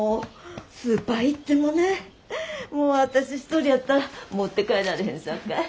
スーパー行ってもね私一人やったら持って帰られへんさかい。